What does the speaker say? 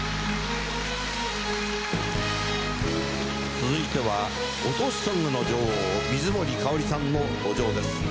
続いてはご当地ソングの女王水森かおりさんの登場です。